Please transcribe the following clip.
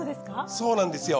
そうなんですよ。